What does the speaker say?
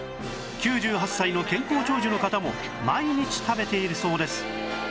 ９８歳の健康長寿の方も毎日食べているそうです